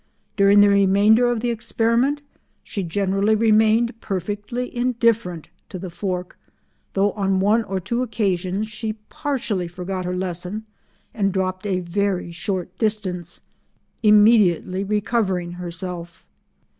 During the remainder of the experiment she generally remained perfectly indifferent to the fork, though on one or two occasions she partially forgot her lesson and dropped a very short distance, immediately recovering herself.